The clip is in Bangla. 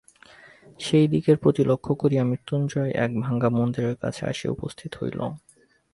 সেই দিকের প্রতি লক্ষ করিয়া মৃত্যুঞ্জয় এক ভাঙা মন্দিরের কাছে আসিয়া উপস্থিত হইল।